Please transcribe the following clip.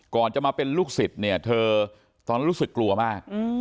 ก่อนจะมาเป็นลูกศิษย์เนี่ยเธอตอนนั้นรู้สึกกลัวมาก